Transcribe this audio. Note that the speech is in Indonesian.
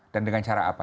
dan dengan cara apa